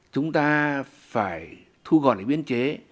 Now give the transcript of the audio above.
chúng ta phải thu gọn biến chế